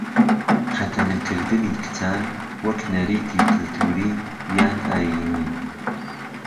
خەتەنەکردنی کچان وەک نەریتی کلتووری یان ئایینی